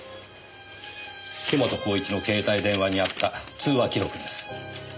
樋本晃一の携帯電話にあった通話記録です。